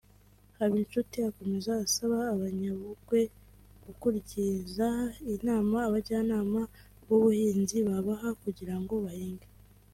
Habinshuti akomeza asaba Abanyabungwe gukurikiza inama abajyanama b’ubuhinzi babaha kugira ngo bahinge